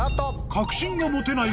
確信が持てない